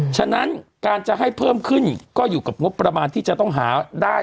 ฉะนั้นการจะให้เพิ่มขึ้นก็อยู่กับงบประมาณที่จะต้องหาได้